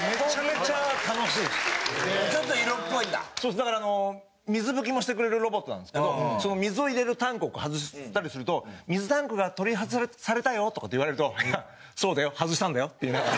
だからあの水拭きもしてくれるロボットなんですけど水を入れるタンクを外したりすると水タンクが取り外されたよとかって言われると。って言いながら。